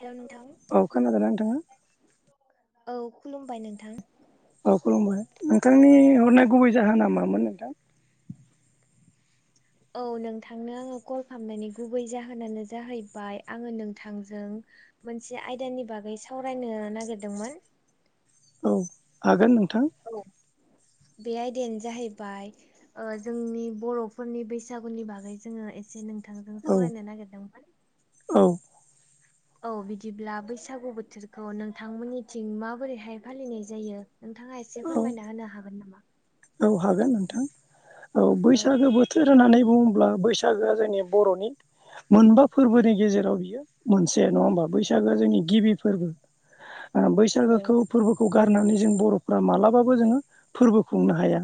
हेल' नोंथां औ खोनादोंना नोंथांङा? औ खुलुमबाय नोंथां औ खुलुमबाय नोंथांनि हरनाय गुबै जाहोना मामोन नोंथां? औ नोंथांनो आङो कल खालामनानै गुबै जाहोनानो जाहैबाय आंङो नोंथांजों मोनसे आयदानि बागै सावरायनो नागिरदोंमोन औ हागोन नोंथां। औ। बे आयदायानो जाहैबाय ओ जोंनि बर'फोरनि बैसागुनि बागै जोङो एसे नोंथांजों औ सावरायनो नागिरदोंमोन? औ औ बिदिब्ला बैसागु बोथोरखौ नोंथांमोननिथिं माबोरैहाय फालिनाय जायो? नोंथाङा एसे औ फोरमायना होनो हागोन नामा? औ हागोन नोंथां औ बैसागो बोथोर होननानै बुङ ब्ला बैसागोआ जोंनि बर'नि मोनबा फोरबोनि गेजेराव बियो मोनसे नङा होमबा बैसागोआ जोंनि गिबि फोरबो। [inaudible] ओ औ बैसागोखौ फोरबोखौ गारनानै जों बर'फ्रा मालाबाबो जोङो फोरबो खुंनो हाया।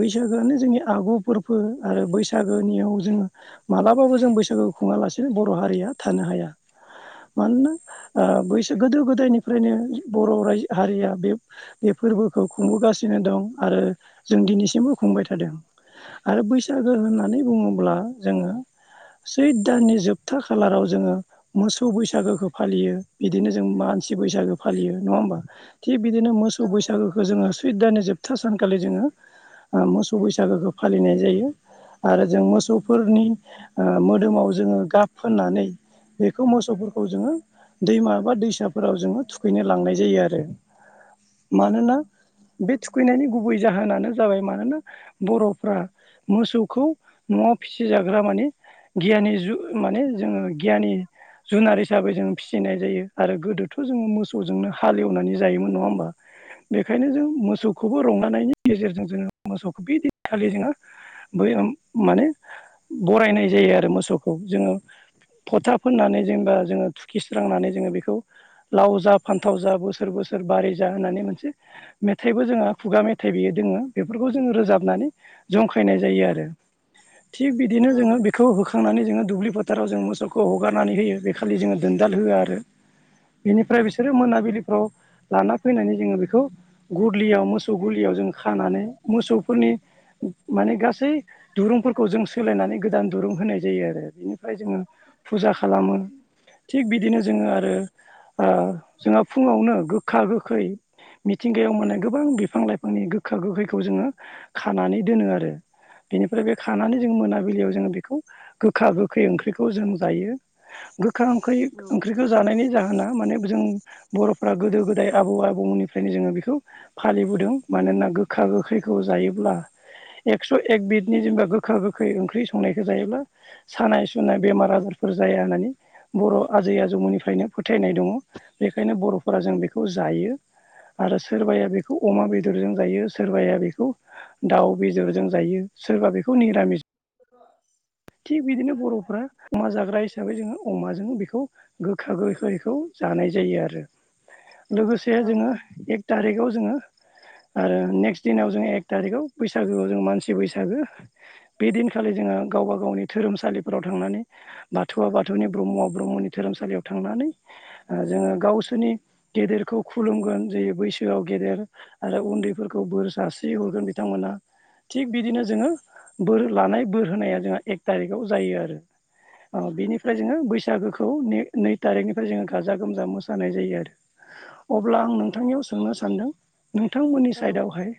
बैसागोआनो जोंनि आगु फोरबो आरो बैसागोनियाव जोङो मालाबाबो जों बैसागो खुङालासेनो बर' हारिया थानो हाया। मानोना बैसो ओ गोदो गोदायनिफ्रायनो बर' रायज हारिया बे फोरबोखौ खुंबोगासिनो दं आरो जों दिनैसिमबो खुंबाय थादों। आरो बैसागो होननानै बुङोब्ला जोङो सैथ दाननि जोबथा खालाराव जोङो मोसौ बैसागोखौ फालियो बिदिनो जों मा सि बैसागो फालियो नङा होमबा। थिग बिदिनो मोसौ औ बैसागोखौ जोङो सैतदाननि जोबथा सानखालि जोङो मोसौ बैसागोखौ फालिनाय जायो आरो जों मोसौफोरनि मोदोमाव जोङो गाब फोननानै बेखौ मोसौफोरखौ जोङो दैमा बा दैसाफोराव जोङो थुखैनो लांनाय जायो आरो मानोना बे फैनायनि गुबै जाहोनानो जाबाय मानोना बर'फ्रा मोसौखौ न'आव फिसिजाग्रा माने गियानि जु माने जोङो गियानि जुनार हिसाबै जोंङ फिसिनाय जायो आरो गोदोथ' जोङो मोसौजोंनो हालेवनानै जायोमोन नङा होमबा बेखायनो जों मोसौ औ मोनायनि गेजेरजों जोङो मोसौखौ बिदिनखालि जोङो बैयोम माने बरायनाय जायो आरो मोसौखौ जोङो फथा फोननानै जेनेबा जोङो थुखिस्रांनानै जोङो बेखौ लाव जा फान्थाव जा बोसोर बोसोर बारै जा होननानै मोनसे मेथाइबो जोंङो खुगा मेथाइ बेयो दोङो बेफोरखौ जोङो रोजाबनानै जंखायनाय जायो आरो थिग बिदिनो जोङो बेखौ होखांनानै जोङो दुब्लि फोथाराव जोङो मोसौखौ हगारनानै होयो बे खालि जोङो दोनदाल होआ आरो बेनिफ्राय बिसोरो मोनाबिलिफ्राव लाना फैनानै जोङो बेखौ गुरलियाव मोसौ मोसौ गलियाव जों खानानै मोसौफोरनि माने गासै दुरुंफोरखौ जों सोलायनानै गोदान दुरुं होनाय जायो आरो बेनिफ्राय जोङो फुजा खालामो थिग बिदिनो जोङो आरो जोंहा फुङावनो गोखा गोखै मि थिंगायाव मोननायन गोबां बि फां लाइफांनि गोखा गोखैखौ जोङो खानानै दोनो आरो बेनिफ्राय बे खानानै जों मोनाबिलियाव जोङो बेखौ गोखा गोखै ओंख्रिखौ जों जायो गोखा ओंख ओंख्रिखौ जानायनि जाहोना माने जों बर'फ्रा गोदो गोदाय आबौ आबौमोननिफ्रायनो जोङो बेखौ फालिबो दों मानोना गोखा गोखैखौ जायोब्ला एकस' एक बिदनि जेनेबा गोखा गोखै ओंख्रि संनायखौ जायोब्ला सानाय सुनाय बेमार आजार फोर जाया होननानै बर' आजै आजौमोननिफ्रायनो फोथायनाय दङ बेखायनो बर'फोरा जों बेखौ जायो आरो सोरबाया बेखौ अमा बेदरजों जायो सोरबाया बेखौ दाउ बेदरजों जायो। सोरबा बेखौ निरामिस थिग बिदिनो बर'फ्रा अमा जाग्रा हिसाबै जोङो अमाजों बेखौ गोखा गोखैखौ जानाय जायो आरो। लोगोसे औ जोङो एक थारिखाव जोङो आरो नेक्स्ट दिनाव जोङो एक थारिखआव बैसागोआव जो मानसि बैसागो बे दिनखालि जोङो ओ गावबा गावनि धोरोमसालिफोराव थांनानै बाथौआ बाथौनि ब्रह्मआ ब्रह्मनि धोरोमसालियाव थांनानै जोङो गावसोरनि गेदेरखौ खुलुमगोन जे बैसोआव गेदेर आरो उन्दैफोरखौ बोर सारस्रि हरगोन बिथांमोना थिग बिदिनो जोङो बोर लानाय बोर होनाया जोंहा एक थारिखाव जायो आरो। अ बिनिफ्राय जोङो बैसागोखौ नै तारिखनिफ्राय जोङो गाजा गोमजा मोसा नाय जायो आरो। अब्ला आं नोंथांनियाव सोंनो सानदों नोंथांमोननि औ साइदआवहाय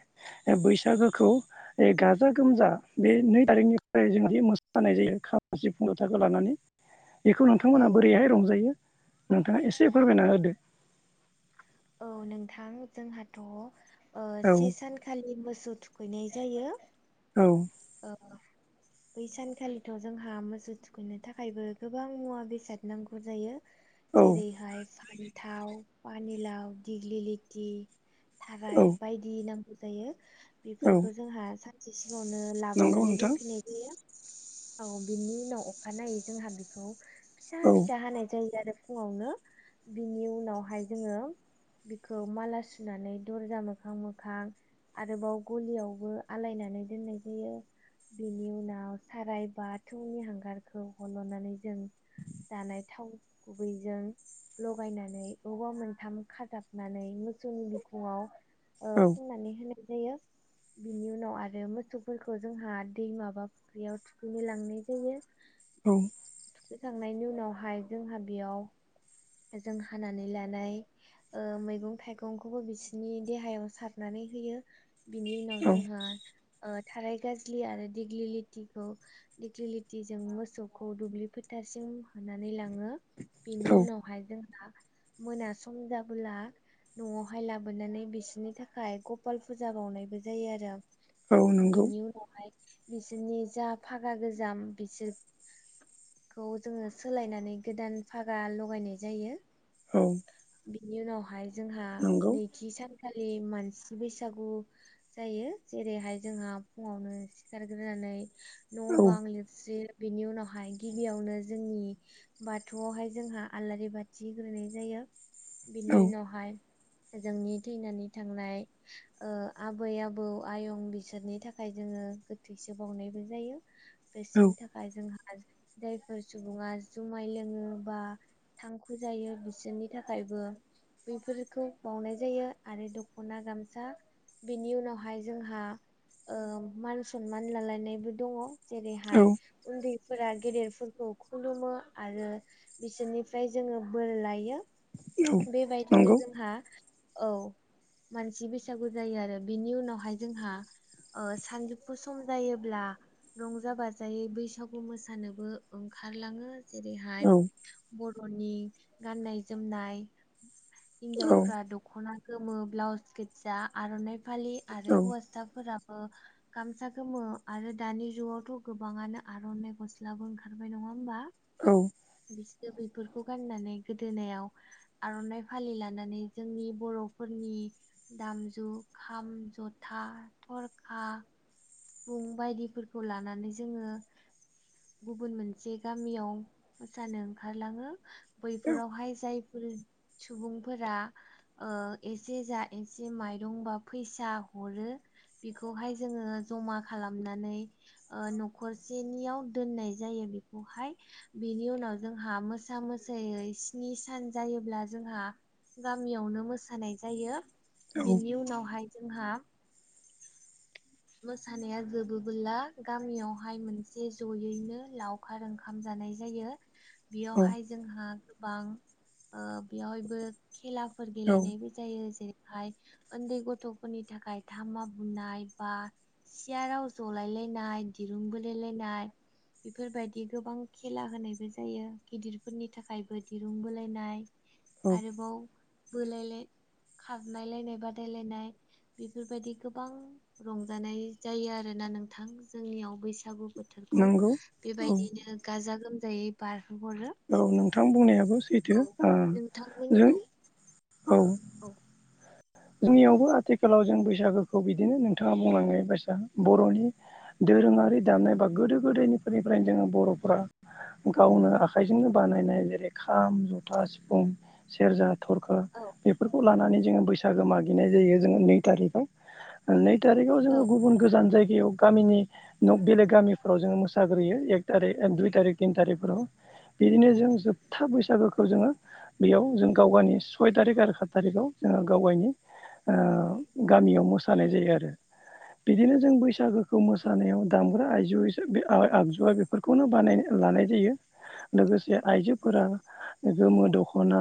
बैसागोखौ गाजा गोमजा बे नै थारिखनिफ्राय जों मोसा जानाय जायो खाम सिफुं ज'थाखो लानानै बेखौ औ नोंथांमोनहा बोरैहाय रंजायो? नोंथाङा एसे फोरमायना होदो। औ नोंथां जोंहाथ' ओ औ से सानखालि मोसौ थुखैनाय जायो औ अ बै सानखालिथ' जोंहा मोसौ थुखैनो थाखायबो गोबां मुवा बेसाद नांगौ जायो जेरैहाय फान्थाव पानिलाव दिग्लिलिथि औ थाराय बायदि नांगौ जायो औ बेफोरखौ जोंहा सानसे सिङावनो नंगौ लाबोनानै नोंथां दोनफैनाय जायो। औ बिनि उनाव अखानायै जोंहा बेखौ फिसा औ फिसा हानाय जायो आरो फुङावनो बिनि उनावहाय जोङो बिखौ माला सुनानै दर्जा मोखां मोखां आरोबाव गलियावबो आलायनानै दोननाय जायो बेनि उनाव साराय बाथौनि हांगारखौ हल'नानै जों जानाय थाव गुबैजों लगायनानै अबावबा मोनथाम खाजाबनानै मोसौनि बिखुंआव ओ औ फुननानै होनाय जायो बिनि उनाव आरो मोसौ फोरखौ जोंहा दै माबा फुख्रियाव थुखैनो लांनाय जायो। औ थुखैखांनायनि उनावहाय जोंहा बेयाव जों हानानै लानाय ओ मैगं थाइगंखौबो बिसिनि देहायाव सादनानै होयो बिनि उनाव औ जोंहा ओ थाराय गाज्लि आरो दिग्लिलिथिखौ दिग्लिलिथिजों मोसौखौ दुब्लि फोथारसिम खौ होनानै लाङो बेनि उनावहाय जोंहा मोना सम जाबोला न'आवहाय लाबोनानै बिसोरनि थाखाय गपाल फुजा बावनायबो जायो आरो। औ नंगौ बिनि उनावहाय बिसोरनि जा फागा गोजाम बिसोर खौ जोङो सोलायनानै गोदान फागा लगायनाय जायो। औ बिनि उनावहाय जोंहा नंगौ नैथि सान खालि मानसि बैसागु जायो जेरैहाय जोंहा फुङावनो सिखारग्रोनानै न' औ बां लिरस्रि बेनि उनावहाय गिबियावनो जोंनि बाथौआवहाय जोंहा आलारि बाथि होनाय जायो। औ बिनि उनावहाय जोंनि थैनानै थांनाय ओ आबै आबौ आयं बिसोरनि थाखाय जोङो गोथैसो बावनायबो जायो। औ बिसोरनि थाखाय जोंहा आज जायफोर सुबुङा जुमाय लोङो बा थांखु जायो बिसोरनि थाखायबो बेफोरखौ बावनाय जायो आरो दख'ना गामसा बिनि उनावहाय जोंहा ओ मान सनमान लालायनायबो दङ औ जेरैहाय उन्दै फोरा गेदेरफोरखौ खुलुमो आरो बिसोरनिफ्राय जोङो बोर लायो बेबायदिनो नंगौ जोंहा औ मानसि बैसागु जायो आरो बिनि उनावहाय जोंहा ओ सानजुफु सम जायोब्ला रंजा बाजायै बैसागु मोसानोबो ओं ओंखारलाङो जेरैहाय औ बर'नि गाननाय जोमनाय औ हिनजावफ्रा दखना गोमो ब्लाउस गोजा आर'नाइ फालि आरो औ हौवासाफोरा ओ गामसा गोमो आरो दानि जुगावथ' गोबाङानो आर'नाइ गस्लाबो ओंखारबाय नङा होमबा औ बिसोरो बेफोरखौ गाननानै गोदोनायाव आर'नाइ फालि लानानै जोंनि बर'फोरनि नि दामजु खाम जथा थरखा सिफुं बुंबायदिफोरखौ लानानै जोङो गुबुन मोनसे गामियाव मोसानो ओंखारलाङो बैफोरावहाय फोरो सुबुंफोरा ओ एसे जा एसे माइरं बा फैसा हरो बिखौहाय जोङो जमा खालामनानै ओ न'खर सेनियाव दोननाय जायो बिखौहाय बिनि उनाव जोंहा मोसा मोसायै स्नि सान जायोब्ला जोंहा गामियावनो मोसानाय जायो बेनि उनावहाय जोंहा मोसानाया जोबोबोला गामियावहाय मोनसे जयैनो लावखार ओंखाम जायो जानाय जायो औ बेयावहाय जोंहा गोबां ओ बेयावहायबो खेला फोर औ गेलेनायबो जायो जेरैहाय उन्दै गथ'फोरनि थाखाय धामा बुनाय बा सियाराव जलायलायनाय दिरुं बोलायलायनाय बेफोरबायदि गोबां खेला होनायबो जायो गिदिरफोरनि थाखायबो दिरुं बोलायनाय औ आरोबाव बोलायलाय खारनायलायनाय बादायलायनाय बेफोरबायदि गोबां रंजानाय जायो आरोना नोंथां जोंनियाव बैसागु बोथोरखौ नंगौ औ बेबायदिनो गाजा गोमजायै बार औ नोंथां बुंनायाबो सैथो औ ओ जों नोंथांमोननियाव औ औ जोंनियावबो आथिखालाव जों बैसागोखौ बिदिनो नोंथाङा बुंलांनाय बायसा बर'नि दोरोङारि दामनाय बा गोदो गोदायनिफोरनिफ्रायनो जोङो बर'फ्रा गावनो आखाइजोंनो बानायनाय जेरै खाम जथा सिफुं सेरजा थरखा औ बेफोरखौ लानानै जोङो बैसागो मागिनाय जायो जोङो नै थारिखआव नै थारिख जो औ गुबुन गोजान जायगा बेयाव गामिनि बेलेग गामिफ्राव जोङो मोसाग्रोयो एक थारिख दुइ थारिख तिन थारिखफोराव बिदिनो जों जोबथा बैसागोखौ जोङो बेयाव जों गाव गावनि सय थारिख आरो सात थारिखआव जोङो गाव गावनि ओ गामियाव मोसानाय जायो आरो बिदिनो जों बैसागोखौ मोसानायाव दामग्रा आइजु आगजुआ बेफोरखौनो बानाय लानाय जायो लोगोसे आइजोफोरा गोमो दख'ना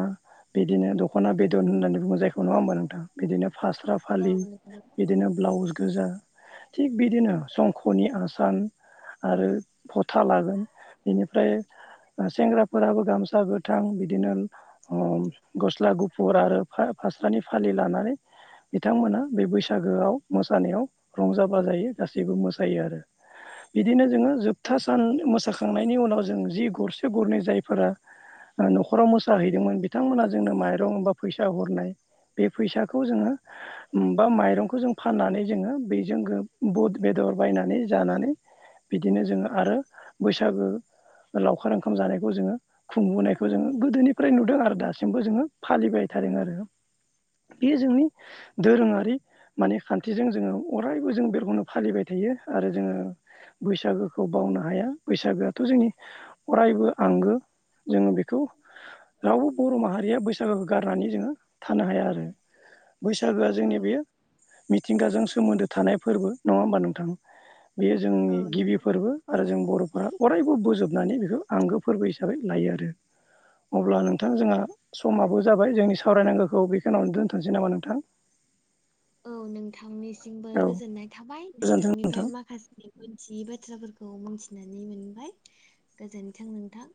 बिदिनो दख'ना बेदन होननानै बुङो जायखौ नङा होमबा नोंथां बिदिनो फास्रा औ फालि नंगौ बिदिनो ब्लाउस गोजा थिग बिदिनो संख'नि आसान आरो फथा लागोन बेनिफ्राय सेंग्राफोराबो गामसा गोथां बिदिनो गस्ला गुफुर आरो फास्रानि फालि लानानै बिथांमोना बे बैसागोआव मोसानायाव रंजा बाजायो गासैबो मोसायो आरो बिदिनो जोङो जोबथा औ सान मोसाखांनायनि उनाव जों जि गरसे गरनै जायफोरा न'खराव मोसा हैैदोंमोन बिथांमोना जोंनो माइरं बा फैसा हर बे फैसाखौ जोङो बा माइरंखौ जों फाननानै जोङो बेजों बुद बेदर बायनानै जानानै बिदिनो जोङो आरो बैसागो लावखार ओंखाम जानायखौ जोङो खुंबोनायखौ जोङो गोदोनिफ्राय नुदों आरो दासिमबो जोङो फालिबाय थादों आरो। [unintelligible] बे जोंनि दोरोङारि माने खान्थिजों जोङो अरायबो जों बेरफोरखौनो फालिबाय थायो। आरो जोङो बैसागोखौ बावनो हाया बैसागोआथ' जोंनि अरायबो आंगो। जोङो बेखौ रावबो बर' माहारिया बैसागोखौ गारनानै जोङो थानो हाया आरो। बैसागोआ औ जोंनि बे मिथिंगाजों सोमोन्दो थानाय फोरबो नङा होमबा नोंथां। बेयो औ जोंनि गिबि नंगौ फोरबो आरो जों बर' फोरा अरायबो बोजोबनानै बेखौ आंगो फोरबो हिसाबै लायो आरो। अब्ला नोंथां जोंहा समाबो जाबाय जोंनि सावरायनांगौ औ बेखौनावनो दोनथ'नोसै नामा नोंथां। औ नोंथांनि बो औ गोजोननाय थाबाय गोजोन्थों नोंथां नोंथांनिफ्राय माखासे मोनथियै बाथ्राफोरखौ खौ मिथिनानै मोनबाय गोजोनथों नोंथां।